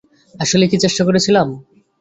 আসলেই কি চেষ্টা করেছিলাম?